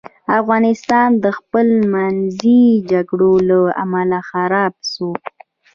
افغانستان د خپل منځي جګړو له امله خراب سو.